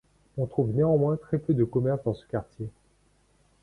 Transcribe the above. On trouve néanmoins très peu de commerces dans ce quartier.